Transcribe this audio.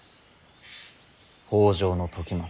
北条時政